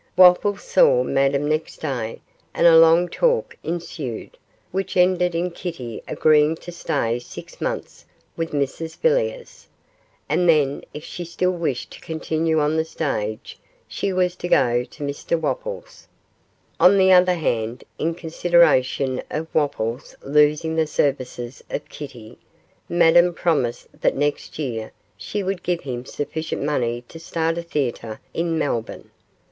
Wopples saw Madame next day, and a long talk ensued, which ended in Kitty agreeing to stay six months with Mrs Villiers, and then, if she still wished to continue on the stage, she was to go to Mr Wopples. On the other hand, in consideration of Wopples losing the services of Kitty, Madame promised that next year she would give him sufficient money to start a theatre in Melbourne.